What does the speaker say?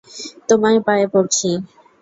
তোমার পায়ে পড়ছি।